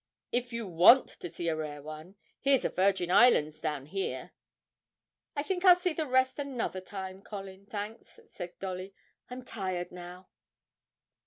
If you want to see a rare one, here's a Virgin Islands down here ' 'I think I'll see the rest another time, Colin, thanks,' said Dolly; 'I'm tired now.'